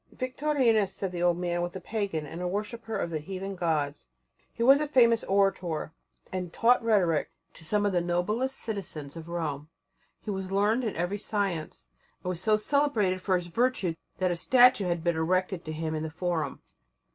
Victorinus, said the old man, was a pagan and a worshipper of the heathen gods. He was a famous orator, and taught rhetoric to some of the noblest citizens of Rome. He was learned in every science, and was so celebrated for his virtue that a statue had been erected to him in the forum.